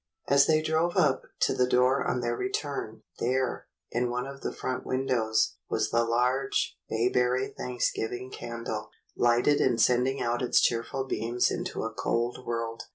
As they drove up to the door on their return, there, in one of the front windows, was the large bayberry Thanksgiving candle, lighted and sending out its cheerful beams into a cold world.